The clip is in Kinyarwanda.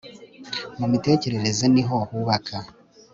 mu mitekerereze niho hubaka